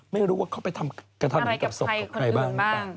ไม่รู้ว่าเขาไปทำกระทำอะไรกับภัยคนอื่นบ้าง